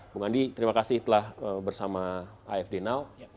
bung andi terima kasih telah bersama afd now